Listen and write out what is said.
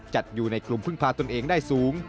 จัดอยู่ในกลุ่มพึ่งพาตนเองได้สูง